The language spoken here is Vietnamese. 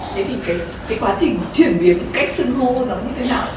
thế thì cái quá trình chuyển biến cách sưng hô nó như thế nào